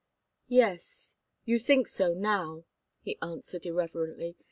"Yes you think so now," he answered, irrelevantly.